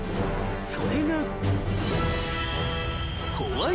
［それが］